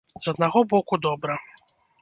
З аднаго боку, добра.